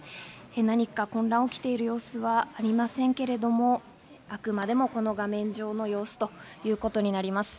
何か混乱が起きている様子はありませんけれども、あくまでもこの画面上の様子ということになります。